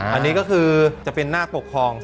อันนี้ก็คือจะเป็นหน้าปกครอง